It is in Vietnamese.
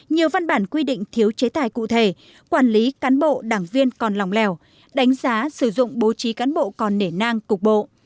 nhiều văn bản quy định thiếu chế tài cụ thể quản lý cán bộ đảng viên còn lòng lèo đánh giá sử dụng bố trí cán bộ còn nể nang cục bộ